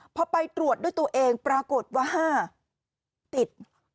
พอไปตรวจด้วยตัวเองปรากฏว่า๕ติด